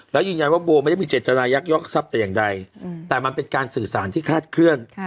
แล้วยืนยันว่าโบไม่ได้มีเจตนายักยอกทรัพย์แต่อย่างใดแต่มันเป็นการสื่อสารที่คาดเคลื่อน